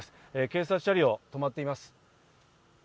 警察車両、止まっています。